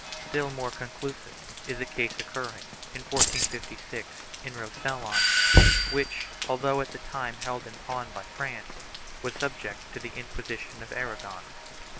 Still more conclusive is a case occurring, in 1456, in Rosellon, which, although at the time held in pawn by France, was subject to the Inquisition of Aragon.